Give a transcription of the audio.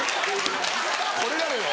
これなのよ。